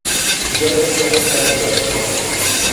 Jeff Henderson